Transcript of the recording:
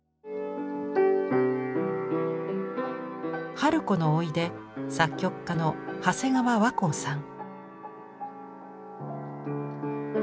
春子のおいで作曲家の長谷川和光さん。